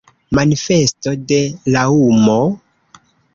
Manifesto de Raŭmo?